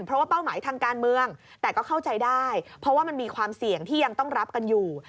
เพราะว่าเป้าหมายทางการเมืองแต่ก็เข้าใจได้เพราะว่ามันมีความเสี่ยงที่ยังต้องรับกันอยู่